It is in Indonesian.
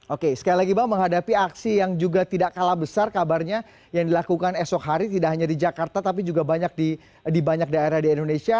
oke sekali lagi bang menghadapi aksi yang juga tidak kalah besar kabarnya yang dilakukan esok hari tidak hanya di jakarta tapi juga banyak di banyak daerah di indonesia